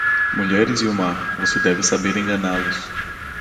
Mulheres e o mar, você deve saber enganá-los.